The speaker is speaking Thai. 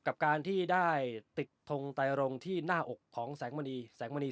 กับการที่ได้ติดทงไตรงที่หน้าอกของแสงมณีแสงมณี